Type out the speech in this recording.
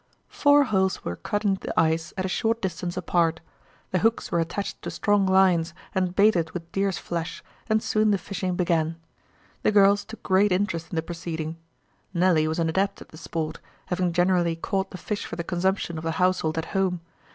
Four holes were cut in the ice at a short distance apart. The hooks were attached to strong lines and baited with deer's flesh, and soon the fishing began. The girls took great interest in the proceeding. Nelly was an adept at the sport, having generally caught the fish for the consumption of the household at home.